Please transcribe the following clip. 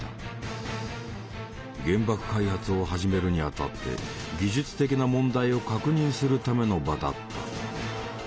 原爆開発を始めるにあたって技術的な問題を確認するための場だった。